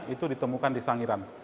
itu ditemukan di sangiran